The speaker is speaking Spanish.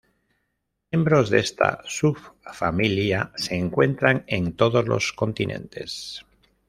Miembros de esta subfamilia se encuentran en todos los continentes.